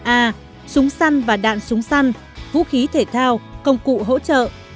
a súng săn và đạn súng săn vũ khí thể thao công cụ hỗ trợ